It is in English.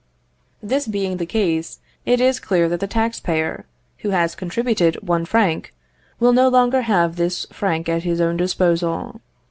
This being the case, it is clear that the tax payer, who has contributed one franc, will no longer have this franc at his own disposal.